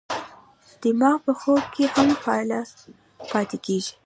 دماغ په خوب کې هم فعال پاتې کېږي.